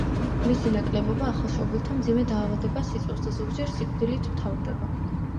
მისი ნაკლებობა ახალშობილთა მძიმე დაავადებას იწვევს და ზოგჯერ სიკვდილით მთავრდება.